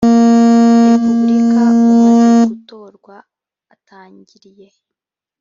repubulika umaze gutorwa atangiriye